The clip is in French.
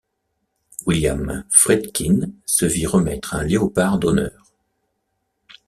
William Friedkin se vit remettre un Léopard d'honneur.